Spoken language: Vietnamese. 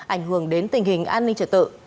ảnh hưởng đến tình hình an ninh trở tự